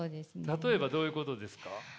例えばどういうことですか？